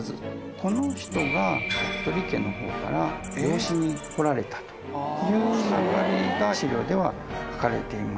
この人が服部家のほうから養子に来られたという流れが資料では書かれています。